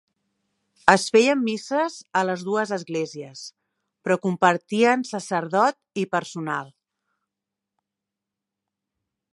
Es feien misses a les dues esglésies, però compartien sacerdot i personal.